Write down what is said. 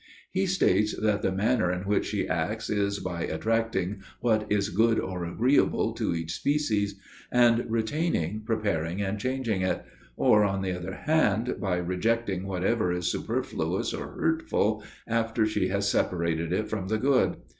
He states that the manner in which she acts, is by attracting what is good or agreeable to each species, and retaining, preparing, and changing it: or, on the other hand, by rejecting whatever is superfluous or hurtful, after she has separated it from the good.